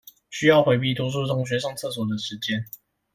需要迴避多數同學上廁所的時間